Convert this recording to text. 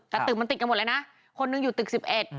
แต่ตึกมันติดกันหมดเลยนะคนหนึ่งอยู่ตึก๑๑